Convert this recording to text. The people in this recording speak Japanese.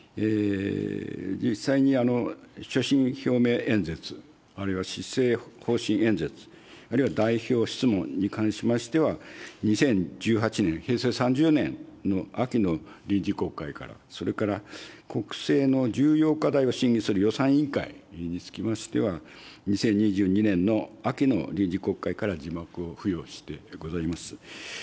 実際に所信表明演説、あるいは施政方針演説、あるいは代表質問に関しましては、２０１８年・平成３０年の秋の臨時国会から、それから国政の重要課題を審議する予算委員会につきましては、２０２２年の秋の臨時国会から字幕を付与してございます。